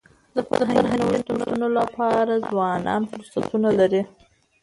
د فرهنګي نوښتونو لپاره ځوانان فرصتونه لري.